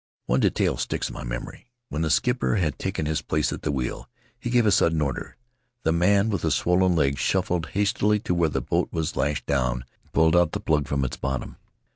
One detail sticks in my memory — when the skipper had taken his place at the wheel he gave a sudden order; the man with the swollen legs shuffled hastily to where the boat was lashed down and pulled out the plug from its bottom.